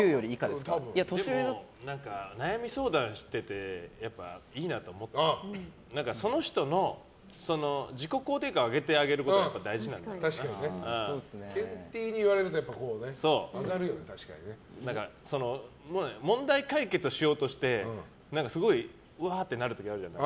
でも、悩み相談してていいなと思ったのはその人の自己肯定感を上げてあげることがケンティーに言われると問題解決をしようとしてすごいわーってなる時あるじゃん。